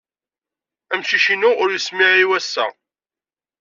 Amcic inu u yessemɛiw-c ass-a.